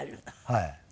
はい。